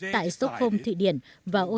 tại stockholm thụy điển và oslo naui